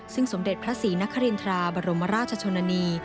ซึ่งสมเด็จพระศรีนครินทราบรมราชชนนานี